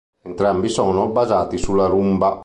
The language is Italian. Entrambi sono basati sulla rumba.